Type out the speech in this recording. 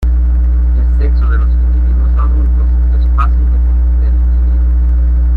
El sexo de los individuos adultos es fácil de distinguir.